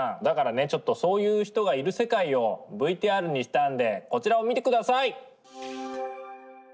だからねちょっとそういう人がいる世界をＶＴＲにしたんでこちらを見てください！